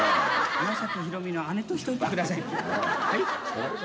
岩崎宏美の姉としといてください。